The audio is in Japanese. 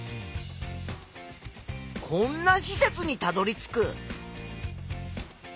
こんな施設にたどりつく。